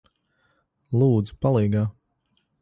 Lūdzu, palīgā!